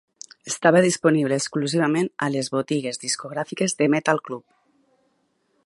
Estava disponible exclusivament a les botigues discogràfiques de Metal Club.